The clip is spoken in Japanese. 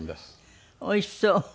おいしそう。